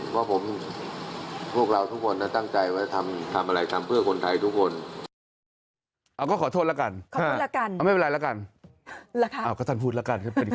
เพราะว่าพวกเรามันตั้งใจว่าจะทำกันเพื่อคนไทยทุกคน